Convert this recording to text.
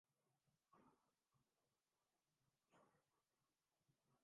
پھر آج کس نے سخن ہم سے غائبانہ کیا